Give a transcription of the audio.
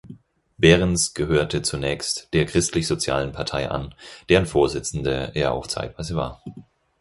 Behrens gehörte zunächst der Christlich-Sozialen Partei an, deren Vorsitzender er auch zeitweise war.